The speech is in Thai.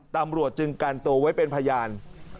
ตำรวจจึงกันตัวไว้เป็นพยาน